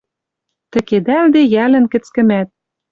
Тӹкедӓлде йӓлӹн кӹцкӹмӓт.